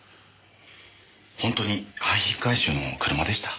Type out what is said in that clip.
本当に廃品回収の車でした？